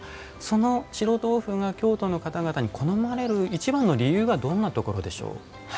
その白とうふが京都の方々に好まれる一番の理由はどんなところでしょう？